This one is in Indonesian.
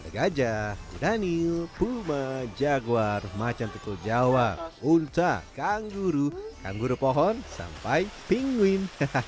gajah danil puma jaguar macan tikul jawa unta kangguru kangguru pohon sampai pinguin